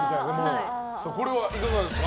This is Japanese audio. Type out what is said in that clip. これはいかがですか？